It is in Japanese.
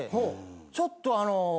ちょっとあの。